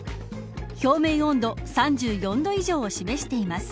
表面温度３４度以上を示しています。